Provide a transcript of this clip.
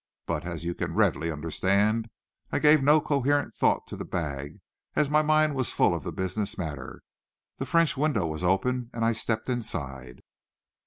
But, as you can readily understand, I gave no coherent thought to the bag, as my mind was full of the business matter. The French window was open, and I stepped inside."